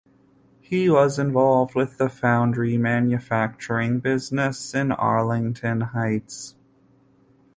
He was involved with the foundry manufacturing business in Arlington Heights.